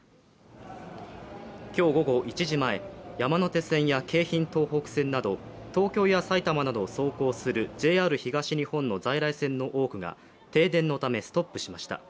今日午後１時前、山手線や京浜東北線など東京や埼玉などを走行するＪＲ東日本の在来線の多くが停電のためストップしました。